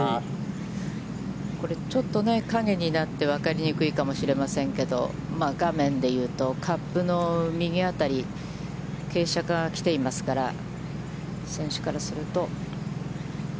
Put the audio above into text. これ、ちょっと陰になって分かりにくいかもしれませんけど、画面で言うと、カップの右あたり、傾斜が来ていますから、選手からすると。